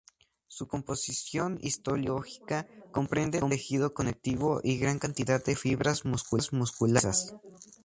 Su composición histológica comprende tejido conectivo y gran cantidad de fibras musculares lisas.